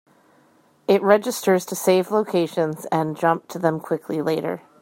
It registers to save locations and jump to them quickly later.